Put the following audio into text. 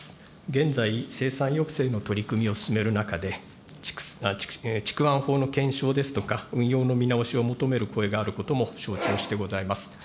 現在、生産抑制の取り組みを進める中で、畜安法の検証ですとか、運用の見直しを求める声があることも承知をしてございます。